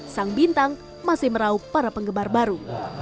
sang bintang masih meraup para penggemar baru